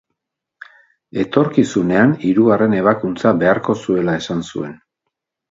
Etorkizunean hirugarren ebakuntza beharko zuela esan zuen.